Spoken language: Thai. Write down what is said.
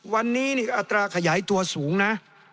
วันนี้อัตราขยายตัวสูงนะ